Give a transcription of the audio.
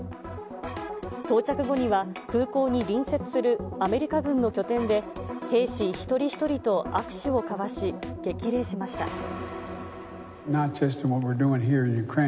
到着後には、空港に隣接するアメリカ軍の拠点で、兵士一人一人と握手を交わし、激励しました。